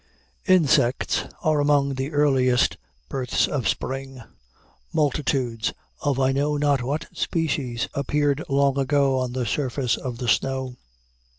Insects are among the earliest births of spring. Multitudes, of I know not what species, appeared long ago on the surface of the snow.